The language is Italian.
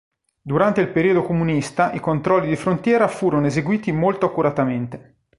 Durante il periodo comunista i controlli di frontiera furono eseguiti molto accuratamente.